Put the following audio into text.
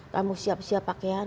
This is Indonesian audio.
kamu siap siap pakaian